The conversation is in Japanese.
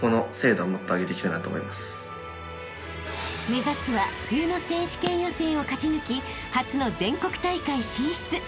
［目指すは冬の選手権予選を勝ち抜き初の全国大会進出］